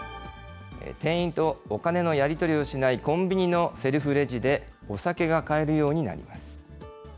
店員とお金のやり取りをしないコンビニのセルフレジで、お酒が買えるようになります。